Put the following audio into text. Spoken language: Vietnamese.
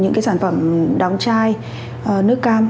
những sản phẩm đóng chai nước cam